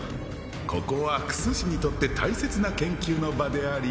ここは薬師にとって大切な研究の場であり